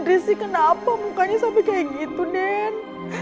den rizky kenapa mukanya sampe kaya gitu den